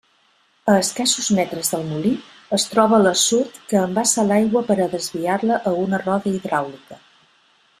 A escassos metres del molí es troba l'assut que embassa l'aigua per a desviar-la a una roda hidràulica.